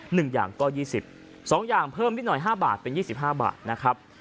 หนึ่งอย่างก็๒๐บาทสองอย่างเพิ่มนิดหน่อย๕บาทเป็น๒๕บาทนะครับ